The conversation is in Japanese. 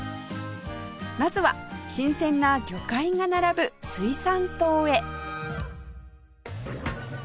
まずは新鮮な魚介が並ぶ水産棟へ